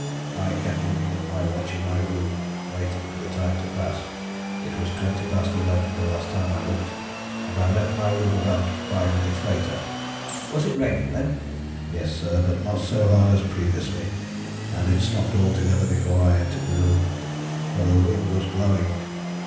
I kept looking at my watch in my room, waiting for the time to pass. It was twenty past eleven the last time I looked, and I left my room about five minutes later." "Was it raining then?" "Yes, sir, but not so hard as previously, and it stopped altogether before I entered the room, though the wind was blowing."